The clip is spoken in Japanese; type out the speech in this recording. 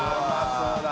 そうだ